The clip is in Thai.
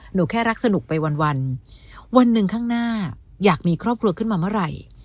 แค่รักสนุกไปวันวันหนึ่งข้างหน้าอยากมีครอบครัวขึ้นมาเมื่อไหร่